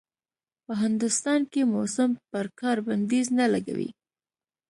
په هندوستان کې موسم پر کار بنديز نه لګوي.